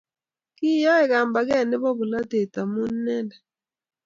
Koyaei kambaket nebo bolatet amun inendet